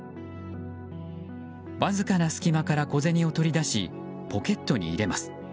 わずかな隙間から小銭を取り出しポケットに入れます。